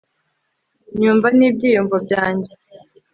nyumva n'ibyiyumvo byanjye